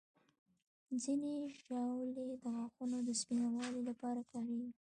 ځینې ژاولې د غاښونو د سپینوالي لپاره کارېږي.